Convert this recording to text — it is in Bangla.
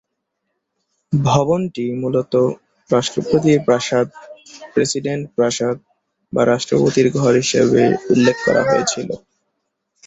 ভবনটি মূলত "রাষ্ট্রপতির প্রাসাদ", "প্রেসিডেন্ট প্রাসাদ", বা "রাষ্ট্রপতির ঘর" হিসাবে উল্লেখ করা হয়েছিল।